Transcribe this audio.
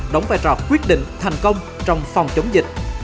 đóng vai trò quyết định thành công trong phòng chống dịch